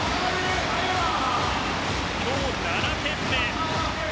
今日７点目。